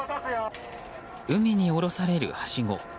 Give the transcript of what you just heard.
海に下ろされるはしご。